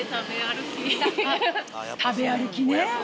食べ歩きね！